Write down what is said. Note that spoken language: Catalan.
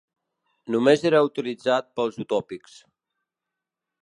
Només era utilitzat pels utòpics.